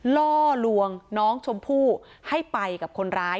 ล่อลวงน้องชมพู่ให้ไปกับคนร้าย